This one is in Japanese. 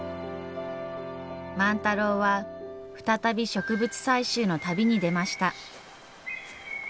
万太郎は再び植物採集の旅に出ました。